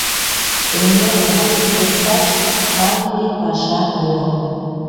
Эҥер гоч лекташ каньыле паша огыл.